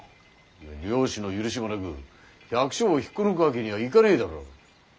領主の許しもなく百姓を引っこ抜くわけにはいかねぇだろう。